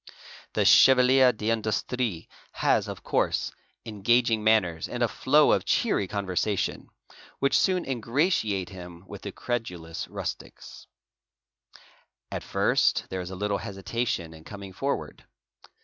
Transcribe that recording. The a ; TREASURE FINDING 401 chevalier d'inglustrie has, of course, engaging manners and a flow of cheery conversation, which soon ingratiate him with the credulous rustics. At first there is a little hesitation in coming forward.